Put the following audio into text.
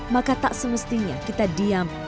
maka tak semestinya kita diam